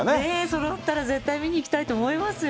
そろったら絶対見に行きたいと思いますよ。